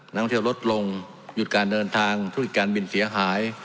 ท่องเที่ยวลดลงหยุดการเดินทางธุรกิจการบินเสียหาย